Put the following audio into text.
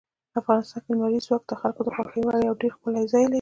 افغانستان کې لمریز ځواک د خلکو د خوښې وړ یو ډېر ښکلی ځای دی.